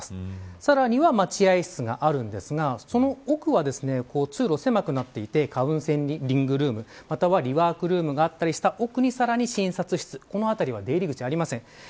さらに待合室があるんですがその奥は通路が狭くなっていてカウンセリングルームまたはリワークルームがあったりした奥にさらに奥に診察室このあたりは出入り口がありません。